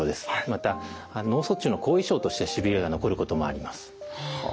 また脳卒中の後遺症としてしびれが残ることもあります。